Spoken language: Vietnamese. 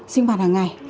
sinh hoạt hàng ngày